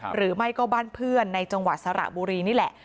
หรือไม่ก็บ้านเพื่อนในจังหวัดสระบุรีนี่แหละ